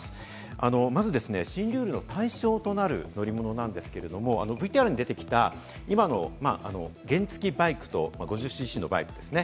新ルールの対象となる乗り物なんですが、ＶＴＲに出てきた今の原付バイクと５０ｃｃのバイクですね。